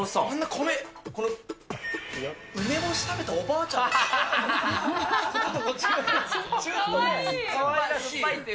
米、梅干し食べたおばあちゃかわいい。